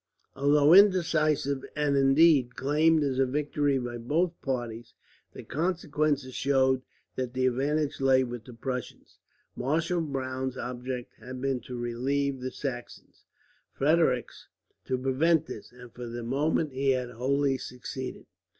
Although indecisive and indeed, claimed as a victory by both parties the consequences showed that the advantage lay with the Prussians. Marshal Browne's object had been to relieve the Saxons, Frederick's to prevent this; and for the moment he had wholly succeeded.